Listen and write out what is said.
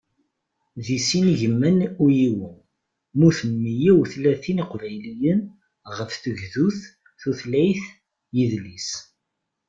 Di sin igiman u yiwen mmuten meyya u tlatin iqbayliyen ɣef tugdut, tutlayt, yidles...